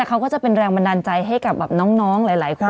อาจจะเจอกันตอนประกวด